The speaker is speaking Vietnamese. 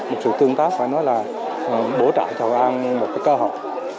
một sự tương tác phải nói là bổ trợ cho hội an một cái cơ hội